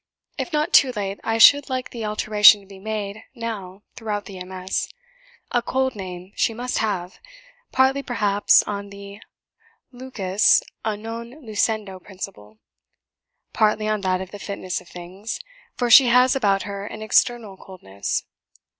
If not too late, I should like the alteration to be made now throughout the MS. A COLD name she must have; partly, perhaps, on the 'lucus a non lucendo' principle partly on that of the 'fitness of things,' for she has about her an external coldness.